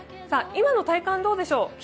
今の体感、どうでしょう。